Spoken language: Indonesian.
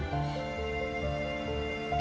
ketika dia berubah